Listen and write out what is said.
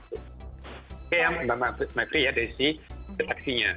oke mbak mbak mekri ya dari si deteksinya